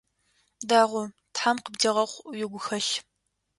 Дэгъу, тхьэм къыбдегъэхъу уигухэлъ!